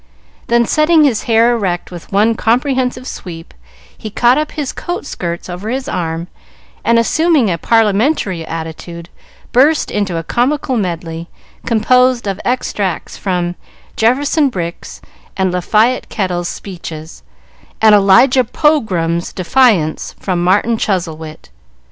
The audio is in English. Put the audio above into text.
Then, setting his hair erect with one comprehensive sweep, he caught up his coat skirts over his arm, and, assuming a parliamentary attitude, burst into a comical medley, composed of extracts from Jefferson Brick's and Lafayette Kettle's speeches, and Elijah Pogram's Defiance, from "Martin Chuzzlewit."